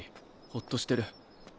ほっとしてる。